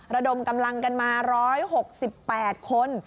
ระดมกำลังกันมา๑๖๘คน